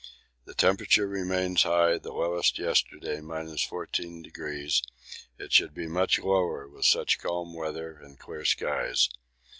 The temperature remains high, the lowest yesterday 13°; it should be much lower with such calm weather and clear skies.